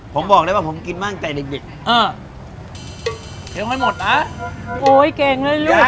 ผมบอกเลยว่าผมกินมากใจในเด็กเออเครื่องให้หมดนะโอ้ยเก่งแล้วลูก